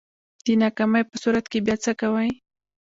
د ناکامۍ په صورت کی بیا څه کوئ؟